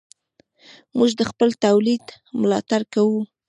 موږ د خپل تولید ملاتړ کوو.